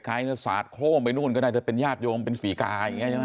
ใกล้สาดโค้งไปนู่นก็ได้แต่เป็นญาติโยมเป็นฝีกายอย่างนี้ใช่ไหม